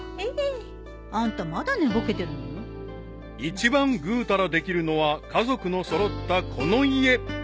［一番グータラできるのは家族の揃ったこの家］